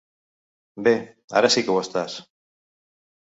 Bé, ara sí que ho estàs.